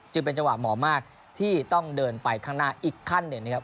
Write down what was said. จังหวะเหมาะมากที่ต้องเดินไปข้างหน้าอีกขั้นหนึ่งนะครับ